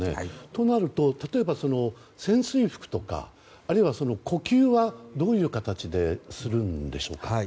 となると、例えば潜水服とかあるいは呼吸はどういう形でするんでしょうか。